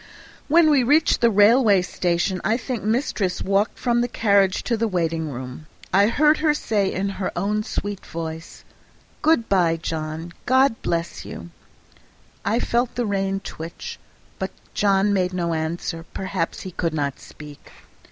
When we reached the railway station I think mistress walked from the carriage to the waiting room. I heard her say in her own sweet voice, "Good by, John. God bless you." I felt the rein twitch, but John made no answer; perhaps he could not speak.